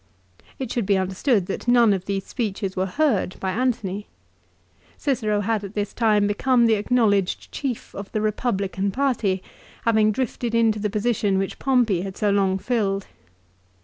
It should be under stood that none of these speeches were heard by Antony. Cicero had at this time become the acknowledged chief of the Eepublican party, having drifted into the position which Pompey had so long filled.